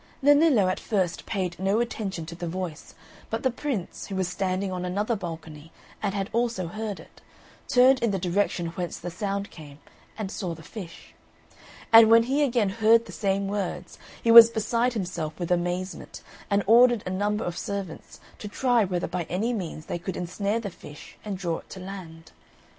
Nennillo at first paid no attention to the voice, but the Prince, who was standing on another balcony and had also heard it, turned in the direction whence the sound came, and saw the fish. And when he again heard the same words, he was beside himself with amazement, and ordered a number of servants to try whether by any means they could ensnare the fish and draw it to land.